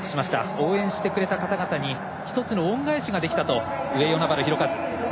応援してくれた方々に１つの恩返しができたと上与那原寛和。